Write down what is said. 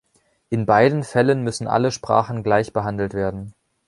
In beiden Fällen müssen alle Sprachen gleich behandelt werden.